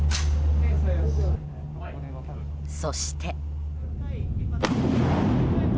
そして。